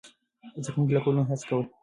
زده کوونکي له کلونو هڅه کوله.